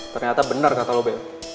ternyata benar kata lo bel